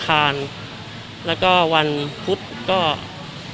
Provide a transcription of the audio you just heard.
กินโรงเรือนการเครื่องไฟ